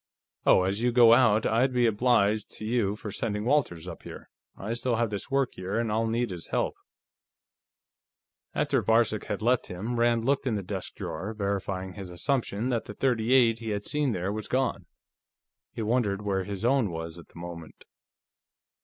Oh, as you go out, I'd be obliged to you for sending Walters up here. I still have this work here, and I'll need his help." After Varcek had left him, Rand looked in the desk drawer, verifying his assumption that the .38 he had seen there was gone. He wondered where his own was, at the moment.